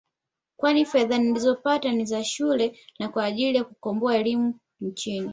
kwani fedha nilizopata ni za shule na kwa ajili kukomboa elimu nchini